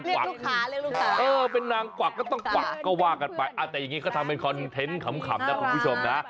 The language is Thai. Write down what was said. เรียกลูกค้าเรียกลูกค้าเป็นนางกวักก็ต้องกวักก็ว่ากันไปแต่อย่างนี้ก็ทำเป็นคอนเทนต์ขำนะคุณผู้ชมนะ